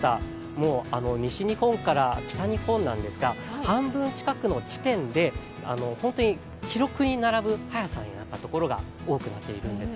もう西日本から北日本なんですが半分近くの地点で記録に並ぶ早さになったところが多くなっているんです。